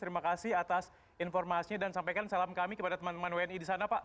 terima kasih atas informasinya dan sampaikan salam kami kepada teman teman wni di sana pak